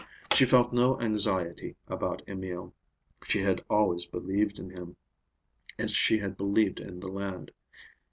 She felt no anxiety about Emil. She had always believed in him, as she had believed in the land.